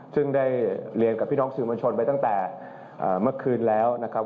ซึ่งได้เรียนกับพี่น้องสื่อมวลชนไปตั้งแต่เมื่อคืนแล้วนะครับ